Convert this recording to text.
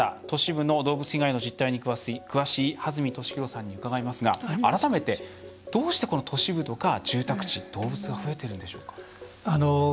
都市部の動物被害の実態に詳しい羽澄俊裕さんに伺いますが改めてどうして都市部とか住宅地動物が増えているんでしょうか。